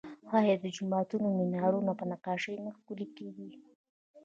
آیا د جوماتونو مینارونه په نقاشۍ نه ښکلي کیږي؟